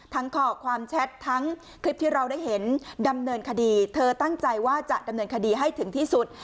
ข้อความแชททั้งคลิปที่เราได้เห็นดำเนินคดีเธอตั้งใจว่าจะดำเนินคดีให้ถึงที่สุด